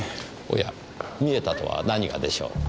おや見えたとは何がでしょう？